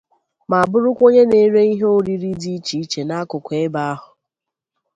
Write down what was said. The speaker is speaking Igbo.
ma bụrụkwa onye na-ere ihe oriri dị iche iche n'akụkụ ebe ahụ